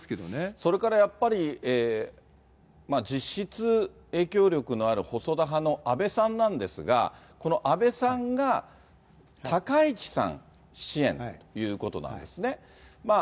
それからやっぱり実質影響力のある細田派の安倍さんなんですが、この安倍さんが高市さん支援ということなんですね。